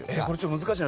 難しいな。